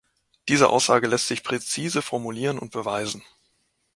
Diese Aussage lässt sich präzise formulieren und beweisen.